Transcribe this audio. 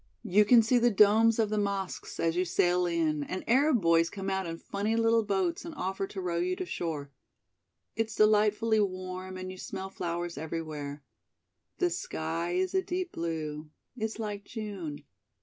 You can see the domes of the mosques as you sail in and Arab boys come out in funny little boats and offer to row you to shore. It's delightfully warm and you smell flowers everywhere. The sky is a deep blue. It's like June.